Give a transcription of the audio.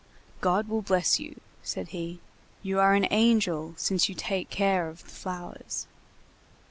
"God will bless you," said he, "you are an angel since you take care of the flowers."